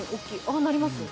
ああなります？